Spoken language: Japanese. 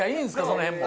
その辺も。